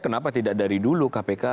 kenapa tidak dari dulu kpk